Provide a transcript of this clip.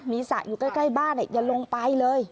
มีสระอยู่ใกล้บ้านอย่าลงไปเลย